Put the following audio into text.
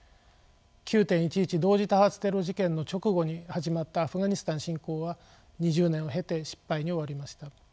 ９．１１同時多発テロ事件の直後に始まったアフガニスタン侵攻は２０年を経て失敗に終わりました。